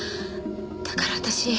だから私